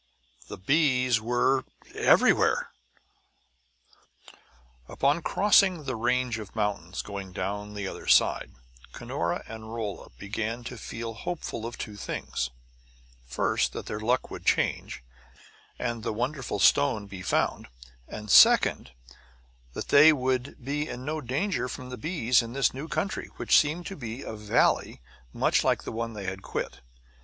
The bees were everywhere! Upon crossing the range of mountains going down the other side, Cunora and Rolla began to feel hopeful of two things first, that their luck would change, and the wonderful stone be found; and second, that they would be in no danger from the bees in this new country, which seemed to be a valley much like the one they had quit.